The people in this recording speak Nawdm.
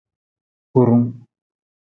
Hurung.